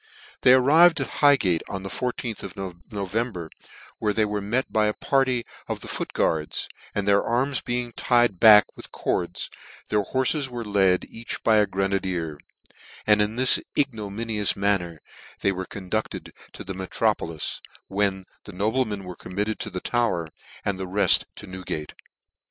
They arrived at Highgate on the I4th of No vember, where they were met by a party of the foot guards, and their arms being tied back with cords, their hories were led, each by a grenadier ; and in this ignominious manner they were con dueled to the metropolis ; when the noblemen were committed to the Tower, and the reft to Newgate.